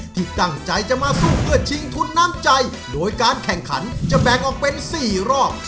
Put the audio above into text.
ที่ตั้งใจจะมาสู้เพื่อชิงทุนน้ำใจโดยการแข่งขันจะแบ่งออกเป็น๔รอบ